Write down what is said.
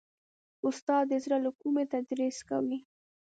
استاد د زړه له کومي تدریس کوي.